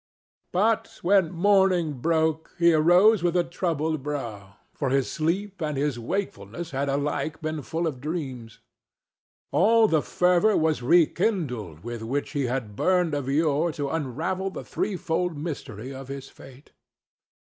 But when morning broke, he arose with a troubled brow, for his sleep and his wakefulness had alike been full of dreams. All the fervor was rekindled with which he had burned of yore to unravel the threefold mystery of his fate.